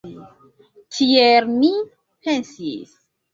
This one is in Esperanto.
Tiel mi pensis.